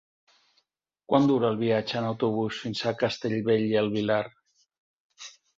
Quant dura el viatge en autobús fins a Castellbell i el Vilar?